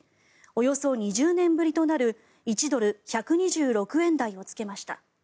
およそ２０年ぶりとなる１ドル＝１２６円台をつけました。